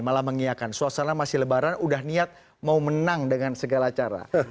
malah mengiakan suasana masih lebaran udah niat mau menang dengan segala cara